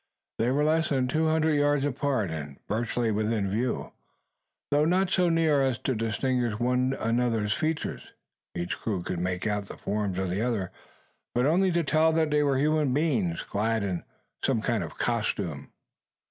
They were less than two hundred yards apart, and virtually within view, though not so near as to distinguish one another's features. Each crew could make out the forms of the other; but only to tell that they were human beings clad in some sort of costume.